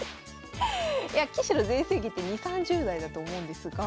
いや棋士の全盛期って２０３０代だと思うんですが。